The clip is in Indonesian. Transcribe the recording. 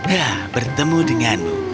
ya bertemu denganmu